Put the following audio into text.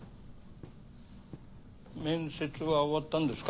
面接は終わったんですか？